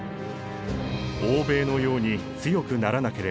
欧米のように強くならなければ。